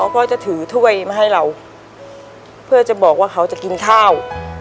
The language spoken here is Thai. ก็จะถือถ้วยมาให้เราเพื่อจะบอกว่าเขาจะกินข้าว